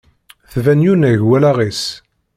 Tban yunnag wallaɣ-is.